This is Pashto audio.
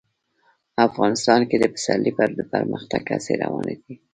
افغانستان کې د پسرلی د پرمختګ هڅې روانې دي.